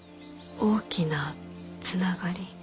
大きなつながり。